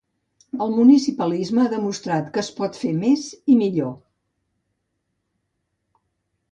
El municipalisme ha demostrat que es pot fer més i millor.